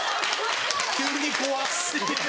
急に怖過ぎる。